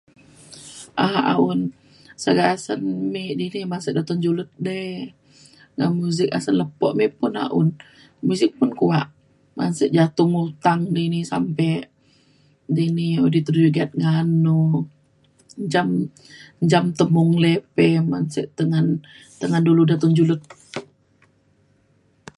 um sagak asen dini ban sek datun julud dei ngan muzik asen lepo me pun a’un. muzik pun kuak ban sek jatung utang dini sampe dini [unintelligible] ngan nu njam njam tuk mung le pe sek tengen tengen dulu datun julud.